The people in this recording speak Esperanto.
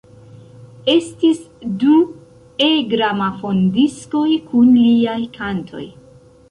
Estis du E-gramofondiskoj kun liaj kantoj.